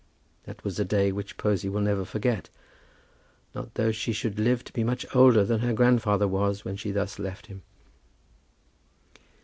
That was a day which Posy will never forget, not though she should live to be much older than her grandfather was when she thus left him.